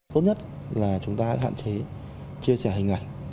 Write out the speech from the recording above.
tốt nhất là chúng ta hãy hạn chế chia sẻ hình ảnh